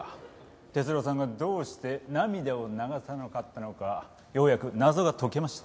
哲郎さんがどうして涙を流さなかったのかようやく謎が解けました。